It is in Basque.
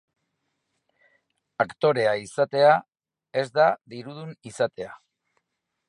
Aktorea izatea ez da dirudun izatea.